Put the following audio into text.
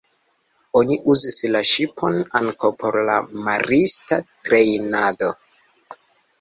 Oni uzis la ŝipon ankaŭ por marista trejnado.